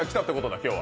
今日は。